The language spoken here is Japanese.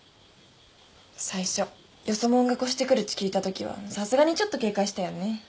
最初よそもんが越してくるっち聞いたときはさすがにちょっと警戒したよね。